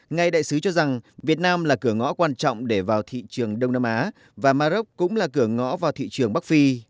ngài đại sứ cho rằng việt nam là cửa ngõ quan trọng để vào thị trường đông nam á và maroc cũng là cửa ngõ vào thị trường bắc phi